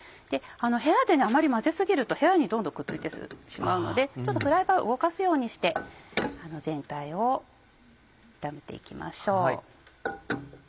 ヘラであまり混ぜ過ぎるとヘラにどんどんくっついてしまうのでちょっとフライパン動かすようにして全体を炒めて行きましょう。